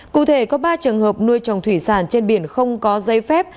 cụ thể có ba trường hợp nuôi trồng thủy sản trên biển không có giấy phép